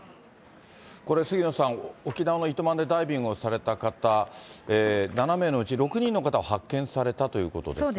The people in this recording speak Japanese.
これ、杉野さん、沖縄の糸満でダイビングをされた方、７名のうち６人の方は発見されたということですね。